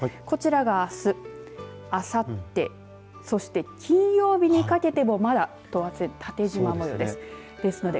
こちらがあすあさってそして、金曜日にかけても、まだ等圧線、縦じま模様です。